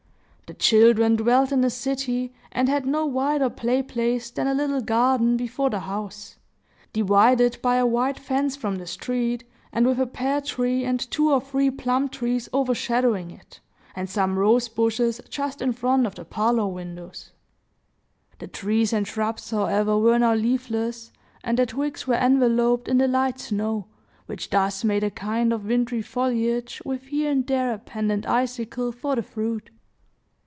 The children dwelt in a city, and had no wider play place than a little garden before the house, divided by a white fence from the street, and with a pear tree and two or three plum trees overshadowing it, and some rose bushes just in front of the parlor windows. The trees and shrubs, however, were now leafless, and their twigs were enveloped in the light snow, which thus made a kind of wintry foliage, with here and there a pendent icicle for the fruit.